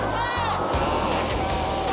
あ！